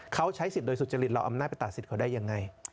เขาใช้สิทธิ์โดยสุจริตเราอำนาจไปตัดสิทธิ์เขาได้ยังไง